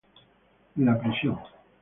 En la prisión.